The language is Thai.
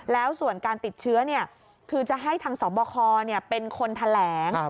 แล้วส่วนการติดเชื้อคือจะให้ทางสบคเป็นคนแถลง